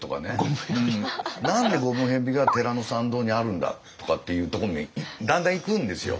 何でゴムヘビが寺の参道にあるんだとかっていうところにだんだんいくんですよ。